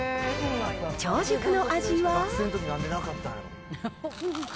超熟の味は。